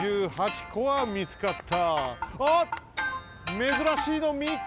めずらしいのみっけ！